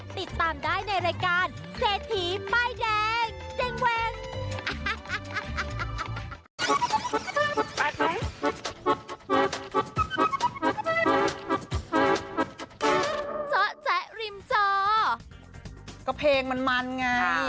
ติดตามได้ในรายการเศรษฐีไม่แรง